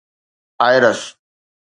IRAS